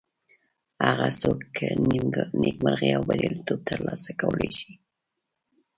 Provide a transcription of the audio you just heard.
هغه څوک نیکمرغي او بریالیتوب تر لاسه کولی شي.